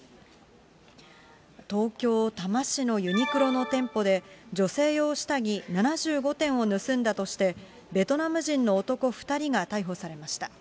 東京・多摩市ユニクロの店舗で、女性用下着７５点を盗んだとして、ベトナム人の男２人が逮捕されました。